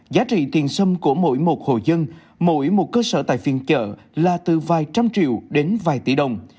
giá trị tiền sâm của mỗi một hồ dân mỗi một cơ sở tại phiền chợ là từ vài trăm triệu đến vài tỷ đồng